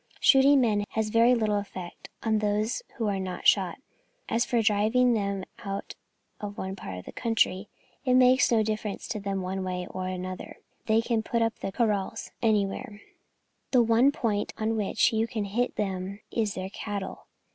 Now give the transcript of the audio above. Shooting men has very little effect on those who are not shot; as for driving them out of one part of the country, it makes no difference to them one way or another; they can put up their kraals anywhere. The one point on which you can hit them is their cattle.